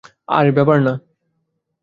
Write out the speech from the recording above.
আরে ব্যাপার না।